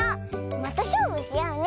またしょうぶしようね。